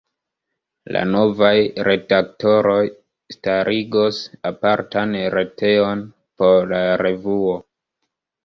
La novaj redaktoroj starigos apartan retejon por la revuo.